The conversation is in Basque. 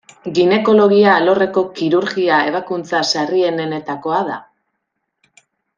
Ginekologia alorreko kirurgia ebakuntza sarrienenetakoa da.